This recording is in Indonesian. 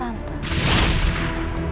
kamu hutang buni sama tante